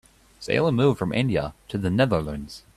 Salim moved from India to the Netherlands.